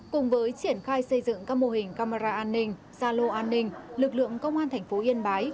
cùng với triển khai xây dựng các mô hình camera an ninh xa lô an ninh lực lượng công an thành phố yên bái